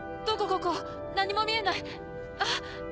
ここ何も見えないあぁ。